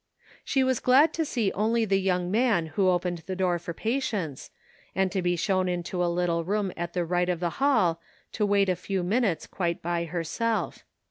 She was glad to see only the young man who opened the door for patients, and to be shown into a little room at the right of the hall to wait a few minutes quite by herself.